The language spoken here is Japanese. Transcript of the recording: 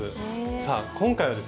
さあ今回はですね